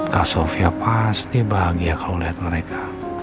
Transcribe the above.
kak sofia pasti bahagia kalau lihat mereka